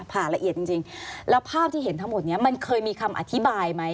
ผ่าละเอียดจริงแล้วภาพที่เห็นทั้งหมดนี้มันเคยมีคำอธิบายไหม